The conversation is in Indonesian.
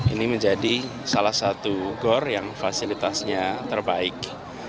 ini menjadi salah satu gor yang fasilitasnya terbaik